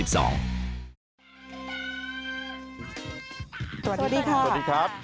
สวัสดีครับ